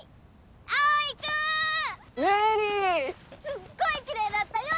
すっごいきれいだったよ